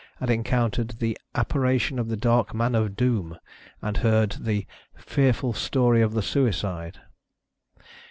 had encountered the "apparition of the dark man of doom," and heard the "fearful story of the Suicide."